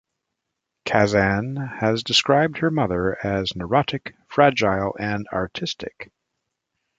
Kazan has described her mother as neurotic, fragile and artistic.